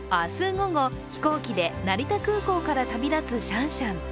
午後、飛行機で成田空港から飛び立つシャンシャン。